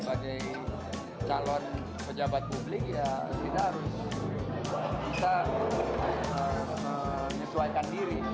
sebagai calon pejabat publik ya tidak harus bisa menyesuaikan diri